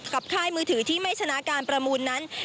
ค่ายมือถือที่ไม่ชนะการประมูลนั้น